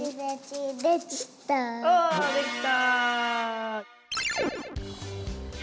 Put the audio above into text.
おできた！